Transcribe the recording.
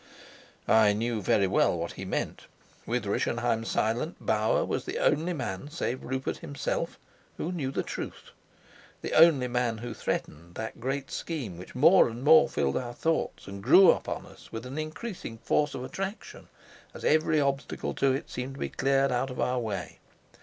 I knew very well what he meant. With Rischenheim silent, Bauer was the only man, save Rupert himself, who knew the truth, the only man who threatened that great scheme which more and more filled our thoughts and grew upon us with an increasing force of attraction as every obstacle to it seemed to be cleared out of the way.